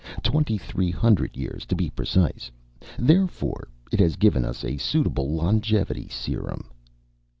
Twenty three hundred years, to be precise. Therefore, it has given us a suitable longevity serum."